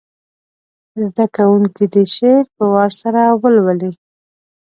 زده کوونکي دې شعر په وار سره ولولي.